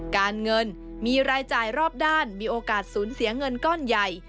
การเงินมีรายจ่ายรอบด้านมีโอกาสสูญเสียเงินก้อนใหญ่